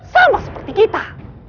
sama seperti kita